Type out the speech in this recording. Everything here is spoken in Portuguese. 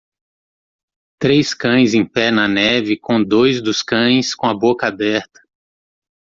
Três cães em pé na neve com dois dos cães com a boca aberta.